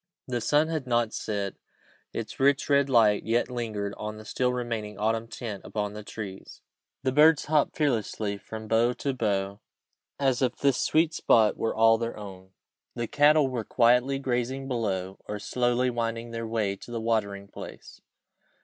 The sun had not set; its rich, red light yet lingered on the still remaining autumn tints upon the trees. The birds hopped fearlessly from bough to bough, as if this sweet spot were all their own. The cattle were quietly grazing below, or slowly winding their way to the watering place.